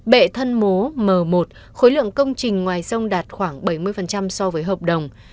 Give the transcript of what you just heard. bệ thân mố m một khối lượng công trình ngoài sông đạt khoảng bảy mươi so với hợp đồng